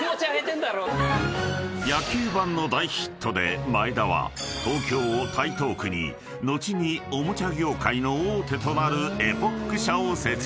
［野球盤の大ヒットで前田は東京台東区に後におもちゃ業界の大手となる］